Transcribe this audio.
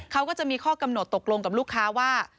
เขาก็จะมีข้อกำหนดตกลงกับลูกค้าว่า